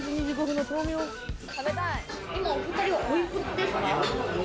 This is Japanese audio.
今お２人はお幾つですか？